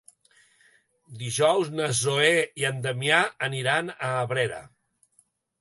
Dijous na Zoè i en Damià aniran a Abrera.